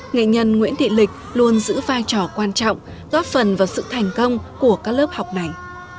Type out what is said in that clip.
nghệ nhân nguyễn thị lịch luôn giữ vai trò quan trọng góp phần vào sự thành công của các lớp học này